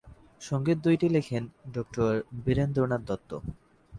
সংগীত দুইটি লিখেন ডঃ বীরেন্দ্র নাথ দত্ত।